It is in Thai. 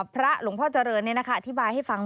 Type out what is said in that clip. พระหลวงพ่อเจริญนี่นะคะอธิบายให้ฟัง